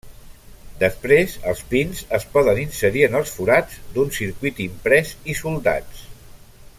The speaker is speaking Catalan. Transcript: Després, els pins es poden inserir en els forats d'un circuit imprès i soldats.